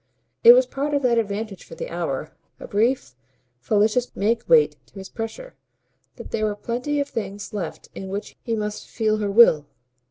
It was part of that advantage for the hour a brief fallacious makeweight to his pressure that there were plenty of things left in which he must feel her will.